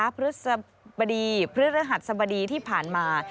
พฤษบดีพฤหัสสบดีที่ผ่านมา